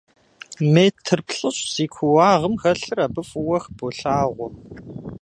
Метр плӏыщӏ зи кууагъым хэлъыр абы фӀыуэ хыболъагъуэ.